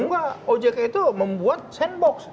enggak ojk itu membuat sandbox